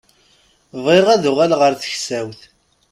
Bɣiɣ ad uɣaleɣ ar teksawt.